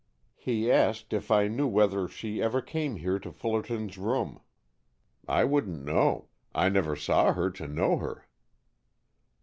"He asked if I knew whether she ever came here to Fullerton's room. I wouldn't know. I never saw her to know her."